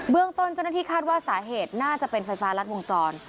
เรื่องต้นเจ้าหน้าที่คาดว่าสาเหตุน่าจะเป็นไฟฟ้ารัดวงจร